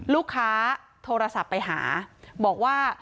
ลูกค้าโทรศัพท์ไปหาบอกว่า